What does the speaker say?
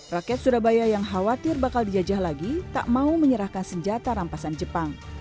rakyat surabaya yang khawatir bakal dijajah lagi tak mau menyerahkan senjata rampasan jepang